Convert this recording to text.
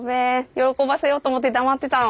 喜ばせようと思って黙ってたの。